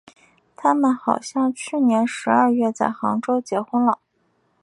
他们好像去年十二月在杭州结婚了。